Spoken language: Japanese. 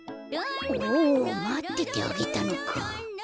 おまっててあげたのか。